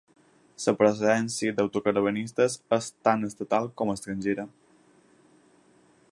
La procedència dautocaravanistes és tant estatal com a estrangera.